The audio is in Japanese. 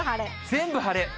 全部晴れ。